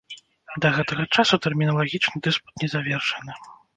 Да гэтага часу тэрміналагічны дыспут не завершаны.